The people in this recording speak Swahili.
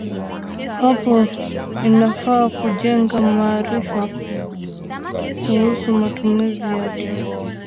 Hapo inafaa kujenga maarifa kuhusu matumizi yake.